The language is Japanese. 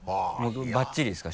ばっちりですか？